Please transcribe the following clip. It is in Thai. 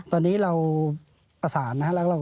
ตอนนี้เราประสานนะครับ